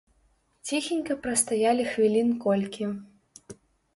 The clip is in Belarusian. Ціхенька прастаялі хвілін колькі.